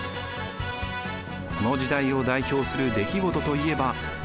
この時代を代表する出来事といえば応仁の乱です。